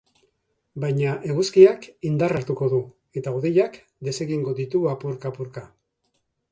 Baina eguzkiak indarra hartuko du, eta hodeiak desegingo ditu apurka-apurka.